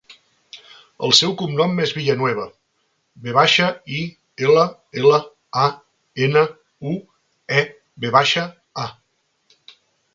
El seu cognom és Villanueva: ve baixa, i, ela, ela, a, ena, u, e, ve baixa, a.